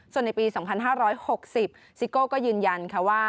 ส่วนในปี๒๕๖๐ซิโก้ก็ยืนยันค่ะว่า